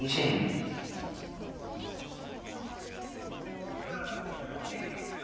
遠くから姿が見えてきました。